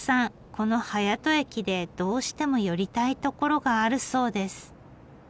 この早戸駅でどうしても寄りたい所があるそうです。